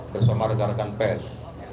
bersama rekan rekan pes